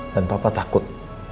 dan papa takut